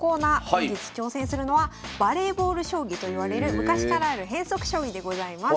本日挑戦するのはバレーボール将棋といわれる昔からある変則将棋でございます。